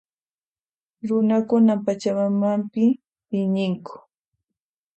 Runakunan Pachamamapi iñinku.